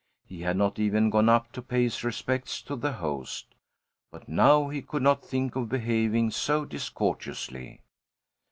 He had not even gone up to pay his respects to the host. But now he could not think of behaving so discourteously.